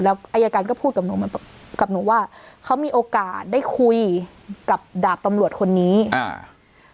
แล้วอายการก็พูดกับหนูเหมือนกับหนูว่าเขามีโอกาสได้คุยกับดาบตำรวจคนนี้อ่า